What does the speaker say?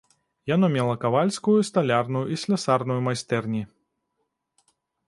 Яно мела кавальскую, сталярную і слясарную майстэрні.